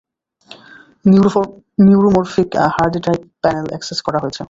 Neuromorphic hard drive panel access করা হয়েছে।